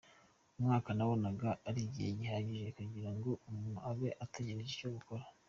umwaka nabonaga ari igihe gihagije kugira ngo umuntu abe atekereje icyo gukora.